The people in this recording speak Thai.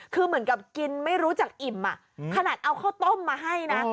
คือเหมือนกับกินไม่รู้จักอิ่มขนาดเอาข้าวต้มมาให้นะ